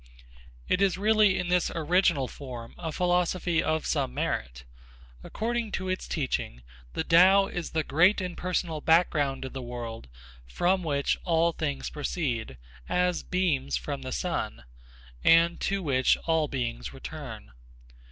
It is really in this original form a philosophy of some merit. According to its teaching the Tao is the great impersonal background of the world from which all things proceed as beams from the sun, and to which all beings return.